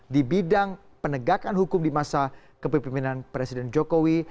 di bidang penegakan hukum di masa kepemimpinan presiden jokowi